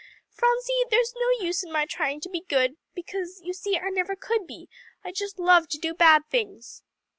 Phronsie, there's no use in my trying to be good, because, you see, I never could be. I just love to do bad things."